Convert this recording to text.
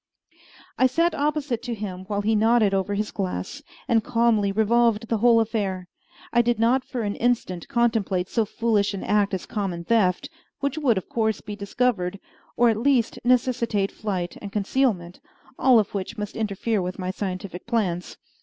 I sat opposite to him while he nodded over his glass, and calmly revolved the whole affair. I did not for an instant contemplate so foolish an act as a common theft, which would of course be discovered, or at least necessitate flight and concealment, all of which must interfere with my scientific plans.